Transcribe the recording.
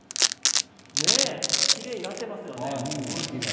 きれいになってますよね。